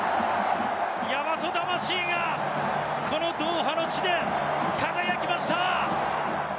大和魂がこのドーハの地で輝きました。